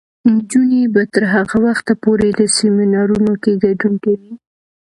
نجونې به تر هغه وخته پورې په سیمینارونو کې ګډون کوي.